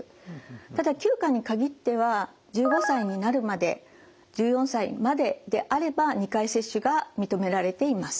ただ９価に限っては１５歳になるまで１４歳までであれば２回接種が認められています。